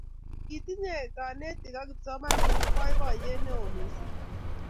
Kitinnye kanetik ak kipsomaninik boiboyet neo mising